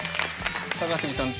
高杉さん